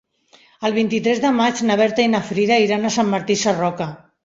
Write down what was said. El vint-i-tres de maig na Berta i na Frida iran a Sant Martí Sarroca.